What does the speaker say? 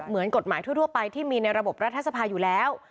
เหมือนกฎหมายทั่วไปที่มีในระบบรัฐธรรมนุนของคอสชอยู่แล้ว